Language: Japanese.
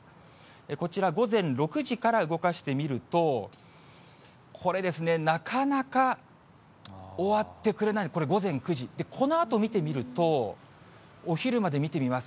こちら、午前６時から動かしてみると、これ、なかなか終わってくれない、これ、午前９時、このあと見てみると、お昼まで見てみます。